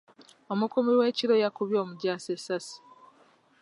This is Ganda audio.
Omukuumi w'ekiro yakubye omujaasi essaasi.